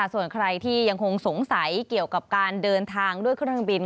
ส่วนใครที่ยังคงสงสัยเกี่ยวกับการเดินทางด้วยเครื่องบิน